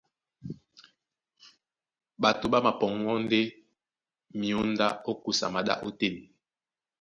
Ɓato ɓá mapɔŋgɔ́ ndé myǒndá ó kusa maɗá ótên.